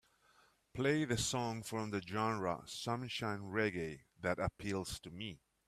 Play the song from the genre Sunshine Reggae that appeals to me.